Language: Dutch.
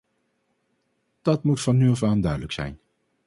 Dat moet van nu af aan duidelijk zijn.